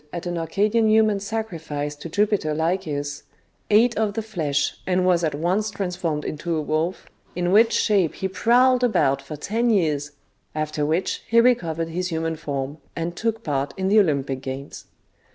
11 at an Arcadian human sacrifice to Jupiter LycaBus, ate of the flesh, and was at once transformed into a wolf, in which shape he prowled about for ten years, after which he recovered his human form, and took part in the Ol3rmpic games.